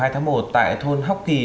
hai tháng một tại thôn hóc kỳ